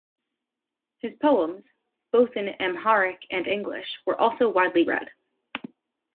His poems, both in Amharic and English, were also widely read.